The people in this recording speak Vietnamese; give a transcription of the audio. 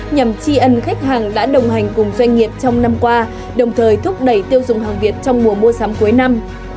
nhằm tri ân khách hàng đã đồng hành cùng doanh nghiệp trong năm qua đồng thời thúc đẩy tiêu dùng hàng việt trong mùa mua sắm cuối năm